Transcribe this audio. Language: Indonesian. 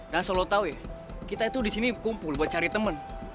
dan soal lu tau ya kita itu disini kumpul buat cari temen